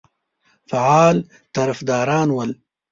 فعال طرفداران ول.